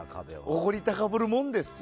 おごり高ぶるもんですよ。